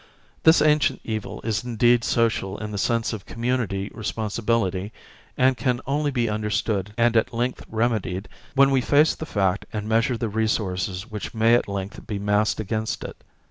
This ancient evil is indeed social in the sense of community responsibility and can only be understood and at length remedied when we face the fact and measure the resources which may at length be massed against it.